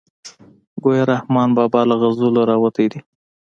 ګویا رحمان بابا له غزلو راوتی دی.